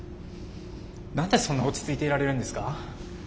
何でそんな落ち着いていられるんですか。